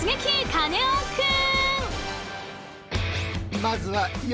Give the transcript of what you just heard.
カネオくん！